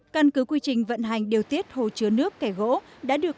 căn cứ quy trình vận hành điều tiết hồ chứa nước kẻ gỗ đã được